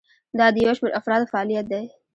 دا د یو شمیر افرادو فعالیت دی.